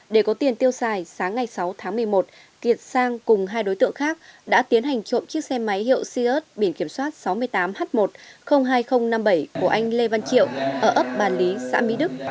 để có tiền tiêu xài sáng ngày sáu tháng một mươi một kiệt sang cùng hai đối tượng khác đã tiến hành trộm chiếc xe máy hiệu sirus biển kiểm soát sáu mươi tám h một hai nghìn năm mươi bảy của anh lê văn triệu ở ấp bàn lý xã mỹ đức